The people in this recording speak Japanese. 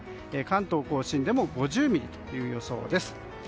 関東・甲信でも５０ミリという予想です。